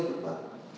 kalau satu juta